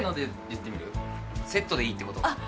セットでいいってことかえっ